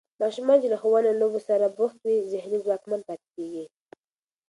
ماشومان چې له ښوونې او لوبو سره بوخت وي، ذهني ځواکمن پاتې کېږي.